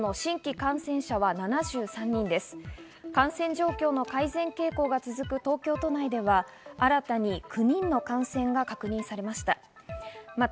感染状況の改善傾向が続く東京都内では新たに９人の感染が確認されました。